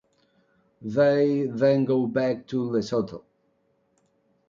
They then go back to Lesotho.